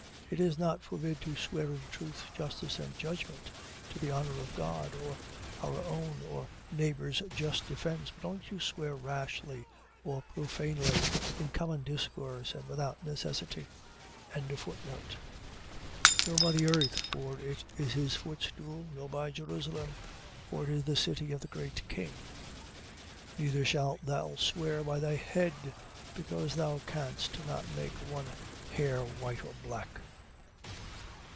. .It is not forbid to swear in truth, justice and judgment; to the honour of God, or our own or neighbour's just defence: but only to swear rashly, or profanely, in common discourse, and without necessity. 5:35. Nor by the earth, for it is his footstool: nor by Jerusalem, for it is the city of the great king: 5:36. Neither shalt thou swear by thy head, because thou canst not make one hair white or black.